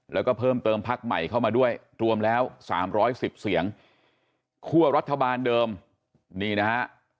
แล้วก็เพิ่มเติมพักใหม่เข้ามาด้วยรวมแล้ว๓๑๐เสียงคั่วรัฐบาลเดิมนี่นะฮะ